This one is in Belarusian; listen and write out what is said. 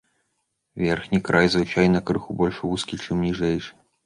Верхні край звычайна крыху больш вузкі, чым ніжэйшы.